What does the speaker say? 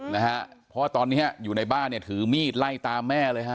นะฮะเพราะว่าตอนเนี้ยอยู่ในบ้านเนี่ยถือมีดไล่ตามแม่เลยฮะ